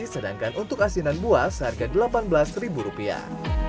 sedangkan untuk asinan buah seharga delapan belas ribu rupiah